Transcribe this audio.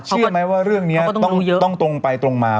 เชื่อไหมว่าเรื่องนี้ต้องตรงไปตรงมา